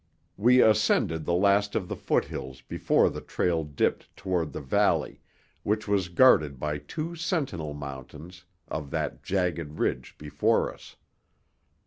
We ascended the last of the foot hills before the trail dipped toward the valley, which was guarded by two sentinel mountains of that jagged ridge before us.